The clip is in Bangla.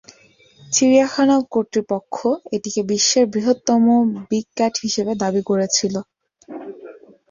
চিড়িয়াখানা কর্তৃপক্ষ এটিকে বিশ্বের বৃহত্তম বিগ ক্যাট হিসেবে দাবি করেছিল।